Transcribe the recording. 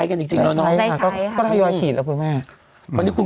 คลายสิทธิ์ต่อให้ใคร